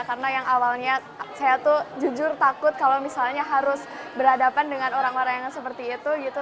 karena yang awalnya saya tuh jujur takut kalau misalnya harus berhadapan dengan orang orang yang seperti itu